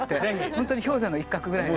本当に氷山の一角ぐらいの。